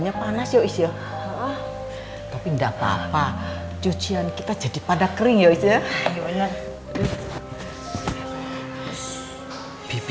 tapi ga payapah cucian kita jadi kering